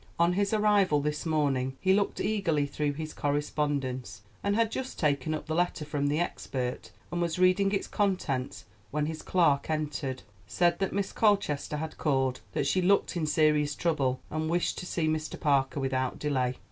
On his arrival this morning he looked eagerly through his correspondence, and had just taken up the letter from the expert and was reading its contents when his clerk entered, said that Miss Colchester had called, that she looked in serious trouble, and wished to see Mr. Parker without delay.